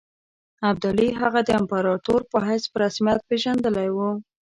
ابدالي هغه د امپراطور په حیث په رسمیت پېژندلی وو.